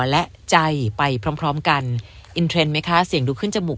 และใจไปพร้อมกันมั้ยคะเสียงดูขึ้นจมูก